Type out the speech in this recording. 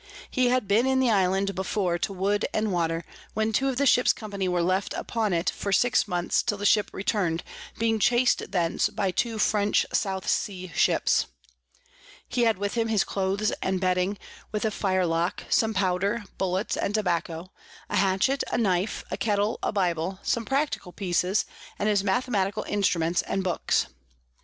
He had been in the Island before to wood and water, when two of the Ships Company were left upon it for six Months till the Ship return'd, being chas'd thence by two French South Sea Ships. [Sidenote: Account of Alexander Selkirk.] He had with him his Clothes and Bedding, with a Firelock, some Powder, Bullets, and Tobacco, a Hatchet, a Knife, a Kettle, a Bible, some practical Pieces, and his Mathematical Instruments and Books.